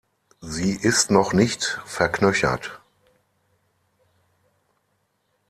Sie ist noch nicht verknöchert.